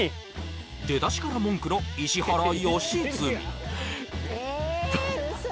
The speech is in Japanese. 出だしから文句の石原良純